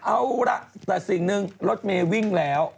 เอาล่ะแต่สิ่งหนึ่งรถเมย์วิ่งแล้ว